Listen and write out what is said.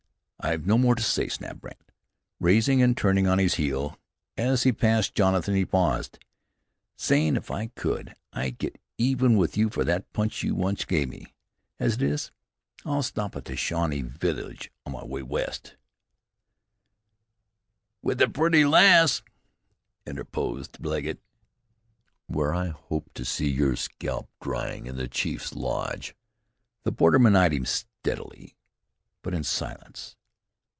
I've no more to say," snapped Brandt, rising and turning on his heel. As he passed Jonathan he paused. "Zane, if I could, I'd get even with you for that punch you once gave me. As it is, I'll stop at the Shawnee village on my way west " "With the pretty lass," interposed Legget. "Where I hope to see your scalp drying in the chief's lodge." The borderman eyed him steadily; but in silence.